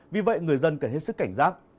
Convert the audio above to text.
vì vậy người dân cần hết sức cảnh giác